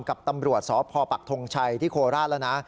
กับตำรวจสพปักทงชัยที่โคราชแล้วนะ